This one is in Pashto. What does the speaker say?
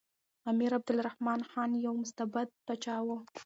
امیر عبدالرحمن خان یو مستبد پاچا و.